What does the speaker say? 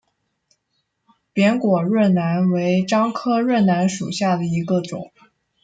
扁果润楠为樟科润楠属下的一个种。